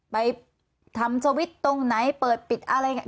ไปทำสวิตช์ตรงไหนเปิดปิดอะไรอย่างนี้